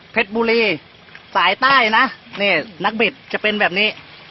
บุรีสายใต้นะนี่นักบิดจะเป็นแบบนี้